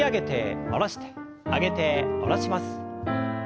上げて下ろします。